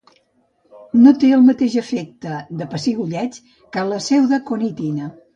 No té el mateix efecte de pessigolleig que la pseudaconitina.